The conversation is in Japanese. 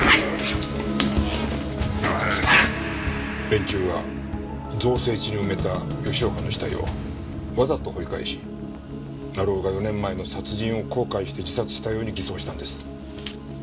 連中は造成地に埋めた吉岡の死体をわざと掘り返し成尾が４年前の殺人を後悔して自殺したように偽装したんです。